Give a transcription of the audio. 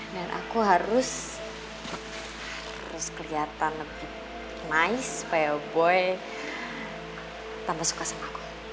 dan aku harus kelihatan lebih nice supaya boy tambah suka sama aku